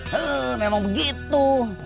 he memang begitu